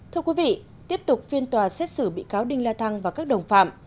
thưa quý vị tiếp tục phiên tòa xét xử bị cáo đinh la thăng và các đồng phạm